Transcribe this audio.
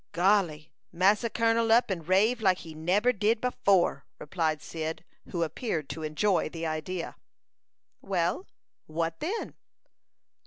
"Golly! Massa Kun'l up and rave like he neber did afore," replied Cyd, who appeared to enjoy the idea. "Well, what then?"